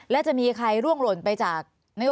และจะมีใครร่วงหล่นไปจาก